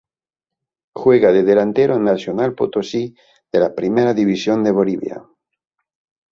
Juega de delantero en Nacional Potosí de la Primera División de Bolivia.